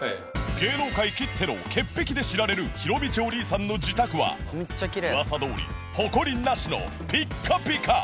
芸能界きっての潔癖で知られるひろみちお兄さんの自宅は噂どおりホコリなしのピッカピカ！